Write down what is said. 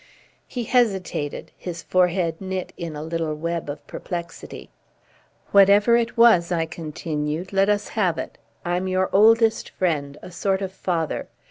He hesitated, his forehead knit in a little web of perplexity. "Whatever it was," I continued, "let us have it. I'm your oldest friend, a sort of father.